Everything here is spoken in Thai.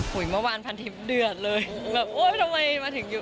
หุ้ยเมื่อวานพันทิบเดือดเลยแบบโอ้ยทำไมมาถึง